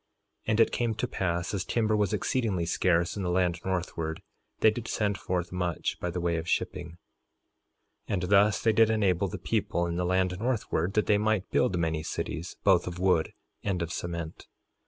3:10 And it came to pass as timber was exceedingly scarce in the land northward, they did send forth much by the way of shipping. 3:11 And thus they did enable the people in the land northward that they might build many cities, both of wood and of cement.